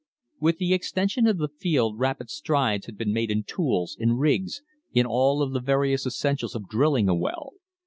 With the extension of the field rapid strides had been made in tools, in rigs, in all of the various essentials of drilling a well.